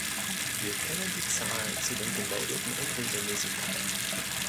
Wir kennen die Zahlen zu den gemeldeten Unregelmäßigkeiten.